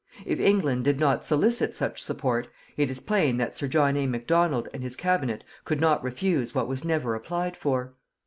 If England did not solicit such support, it is plain that Sir John A. Macdonald and his Cabinet could not refuse what was never applied for.